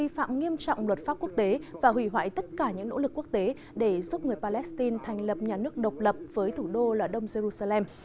phạm nghiêm trọng luật pháp quốc tế và hủy hoại tất cả những nỗ lực quốc tế để giúp người palestine thành lập nhà nước độc lập với thủ đô là đông jerusalem